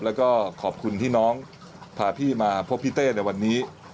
แล้วก็ขอบคุณที่น้องพาพี่มาพบพี่เต้ในวันนี้